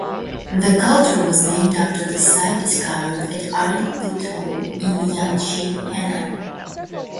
The culture was named after the site discovered at Erlitou in Yanshi, Henan.